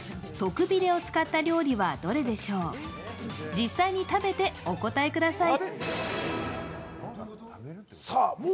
実際に食べてお答えください。